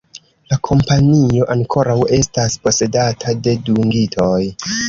La kompanio ankoraŭ estas posedata de dungitoj.